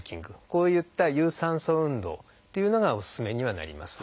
こういった有酸素運動っていうのがおすすめにはなります。